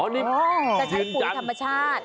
อ๋อนี่จริงจังจะใช้ปุ๋ยธรรมชาติ